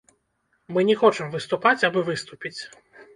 Мы не хочам выступаць, абы выступіць.